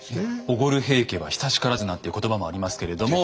「おごる平家は久しからず」なんて言葉もありますけれども。